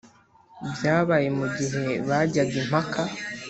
Byabaye Mu gihe bajyaga impaka,